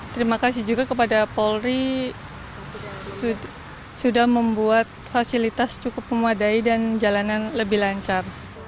terima kasih juga kepada polri sudah membuat fasilitas cukup memadai dan jalanan lebih lancar